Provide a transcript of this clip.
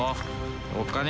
おっかね。